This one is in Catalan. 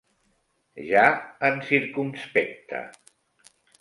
Ja en circumspecte.